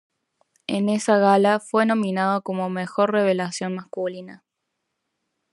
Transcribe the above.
En esa gala fue nominado como mejor revelación masculina.